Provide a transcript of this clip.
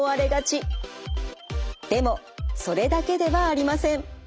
でもそれだけではありません。